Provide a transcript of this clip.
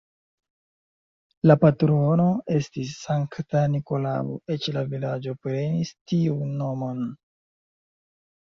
La patrono estis Sankta Nikolao, eĉ la vilaĝo prenis tiun nomon.